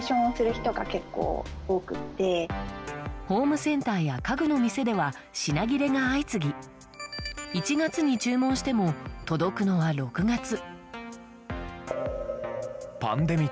ホームセンターや家具の店では品切れが相次ぎ１月に注文しても届くのは６月。